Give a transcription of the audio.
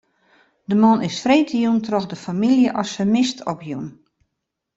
De man is freedtejûn troch de famylje as fermist opjûn.